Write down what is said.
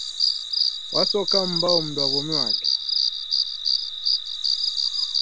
Wasoka mbao mnduwawomi wake.